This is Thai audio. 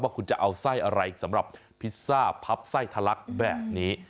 คุณจะเอาไส้อะไรสำหรับพิซซ่าพับไส้ทะลักแบบนี้